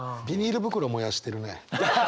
袋燃やしてるね。